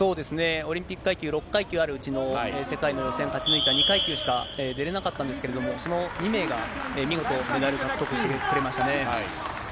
オリンピック階級、６階級あるうちの、世界の予選勝ち抜いた２階級しか出れなかったんですけれども、その２名が見事、メダル獲得してくれましたね。